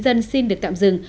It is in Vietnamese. nhân dân xin được tạm dừng